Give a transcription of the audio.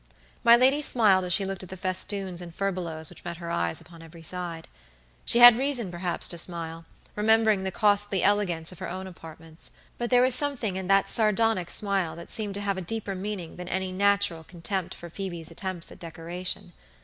My lady smiled as she looked at the festoons and furbelows which met her eyes upon every side. She had reason, perhaps, to smile, remembering the costly elegance of her own apartments; but there was something in that sardonic smile that seemed to have a deeper meaning than any natural contempt for Phoebe's attempts at decoration.